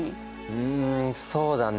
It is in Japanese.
うんそうだね